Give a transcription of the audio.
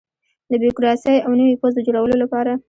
د بیروکراسۍ او نوي پوځ د جوړولو لپاره.